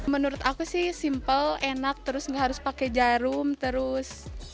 menurut aku sih simple enak terus nggak harus pakai jarum terus